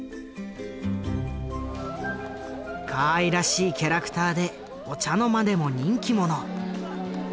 かわいらしいキャラクターでお茶の間でも人気者。